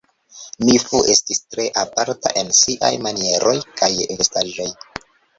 Mi Fu estis tre aparta en siaj manieroj kaj vestaĵoj.